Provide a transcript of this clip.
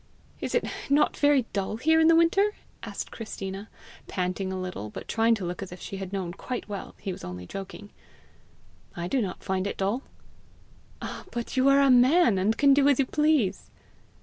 "Is it not very dull here in the winter?" asked Christina, panting a little, but trying to look as if she had known quite well he was only joking. "I do not find it dull." "Ah, but you are a man, and can do as you please!"